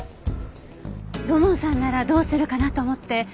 土門さんならどうするかなと思って。